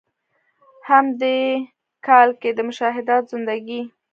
هم د ې کال کښې د“مشاهدات زندګي ”